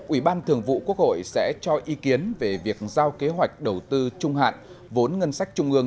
ủy ban thường vụ quốc hội sẽ cho ý kiến về việc giao kế hoạch đầu tư trung hạn vốn ngân sách trung ương